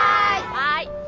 はい。